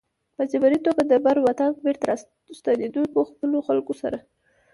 په جبري توګه د بر وطن بېرته ستنېدونکو خپلو خلکو سره.